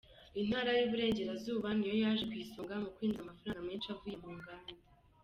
Intara y’Iburengerazuba niyo yaje ku isonga mu kwinjiza amafaranga menshi avuye mu muganda.